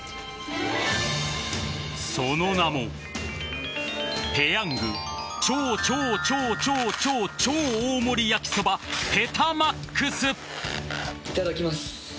その名もペヤング超超超超超超大盛やきそばペタマックス。